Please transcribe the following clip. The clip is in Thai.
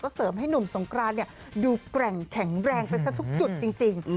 เสริมให้หนุ่มสงกรานดูแกร่งแข็งแรงไปซะทุกจุดจริง